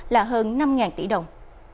là hơn năm tỷ đồng